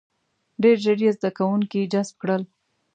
• ډېر ژر یې زده کوونکي جذب کړل.